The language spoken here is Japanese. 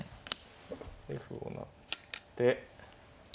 で歩を成って。